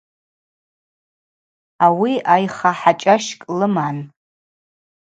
Ауи айха хӏачӏащкӏ лыман.